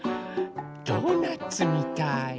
ドーナツみたい。